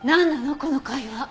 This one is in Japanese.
この会話。